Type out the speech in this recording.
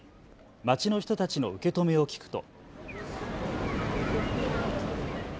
街の人たちの受け止めを聞くと。